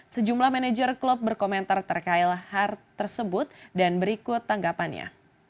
sejumlah manajer klub berkomentar terkait hal tersebut dan berikut tanggapannya